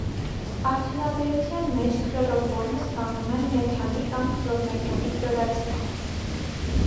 Արդյունաբերության մեջ քլորոֆորմը ստանում են մեթանի կամ քլորմեթանի քլորացմամբ։